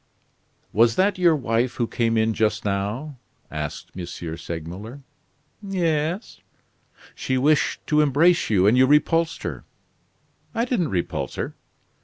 "Was that your wife who came in just now?" asked M. Segmuller. "Yes." "She wished to embrace you, and you repulsed her." "I didn't repulse her."